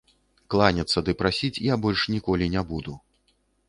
Кланяцца ды прасіць я больш ніколі не буду.